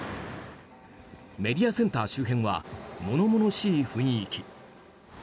メディアセンター周辺は物々しい雰囲気。